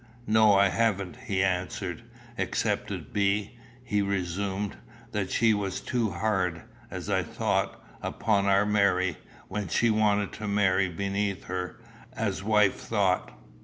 "No, I haven't," he answered; "except it be," he resumed, "that she was too hard, as I thought, upon our Mary, when she wanted to marry beneath her, as wife thought."